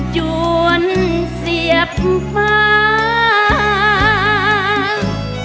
จวนเสียบปาก